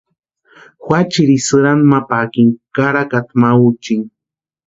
Juachiri sïranta ma parikini karakata ma úchini.